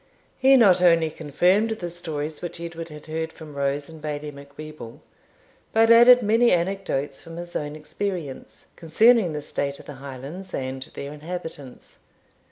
He not only confirmed the stories which Edward had heard from Rose and Bailie Macwheeble, but added many anecdotes from his own experience, concerning the state of the Highlands and their inhabitants.